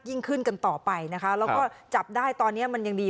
ยิ่งขึ้นกันต่อไปนะคะแล้วก็จับได้ตอนนี้มันยังดี